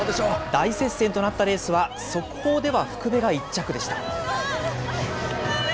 大接戦となったレースは速報では福部が１着でした。